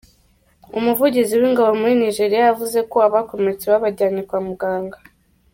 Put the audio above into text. Umuvugizi w’ingabo muri Nigeriya yavuze ko abakomeretse babajyanye kwa muganga.